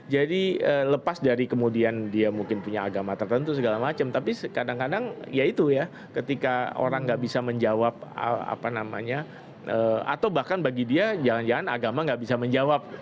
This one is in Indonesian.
jadi lepas dari kemudian dia mungkin punya agama tertentu segala macam tapi kadang kadang ya itu ya ketika orang gak bisa menjawab apa namanya atau bahkan bagi dia jangan jangan agama gak bisa menjawab